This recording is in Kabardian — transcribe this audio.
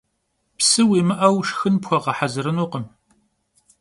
Psı vuimı'eu şşxın pxueğehezırınukhım.